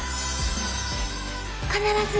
必ず